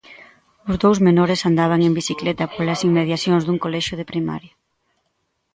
Os dous menores andaban en bicicleta polas inmediacións dun colexio de primaria.